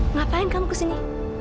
ngapain kamu kesini